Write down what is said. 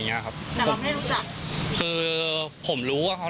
ผมมีโพสต์นึงครับว่า